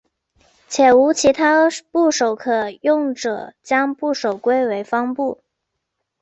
且无其他部首可用者将部首归为方部。